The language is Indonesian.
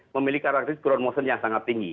memiliki karakteristik kromosom yang sangat tinggi